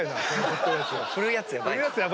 振るやつヤバい。